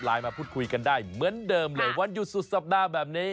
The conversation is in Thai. มาพูดคุยกันได้เหมือนเดิมเลยวันหยุดสุดสัปดาห์แบบนี้